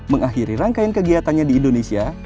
mengakhiri rangkaian kegiatannya di indonesia